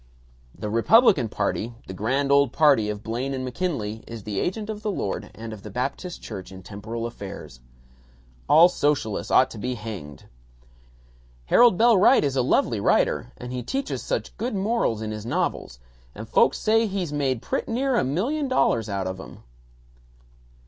The Republican Party, the Grand Old Party of Blaine and McKinley, is the agent of the Lord and of the Baptist Church in temporal affairs. All socialists ought to be hanged. "Harold Bell Wright is a lovely writer, and he teaches such good morals in his novels, and folks say he's made prett' near a million dollars out of 'em."